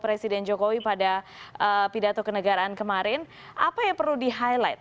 presiden jokowi pada pidato kenegaraan kemarin apa yang perlu di highlight